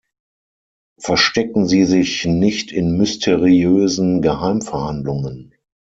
Verstecken Sie sich nicht in mysteriösen Geheimverhandlungen.